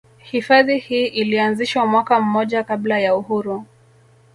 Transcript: Hifadhi hii ilianzishwa mwaka mmoja kabla ya uhuru